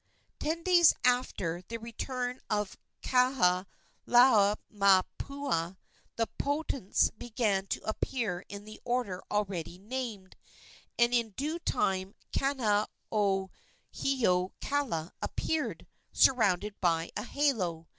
Ten days after the return of Kahalaomapuana the portents began to appear in the order already named, and in due time Kaonohiokala appeared, surrounded by a halo.